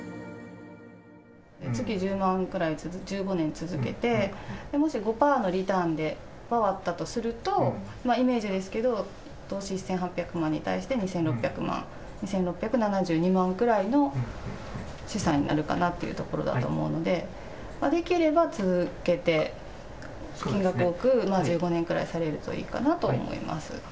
月１０万ぐらい、１５年続けて、もし５パーのリターンで回ったとすると、イメージですけれども、投資１８００万円に対して２６００万、２６７２万くらいの資産になるかなっていうところだと思うので、できれば続けて、金額多く、１５年くらいされるといいかなと思います。